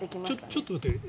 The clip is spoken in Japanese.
ちょっと待って。